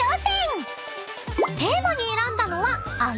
［テーマに選んだのは］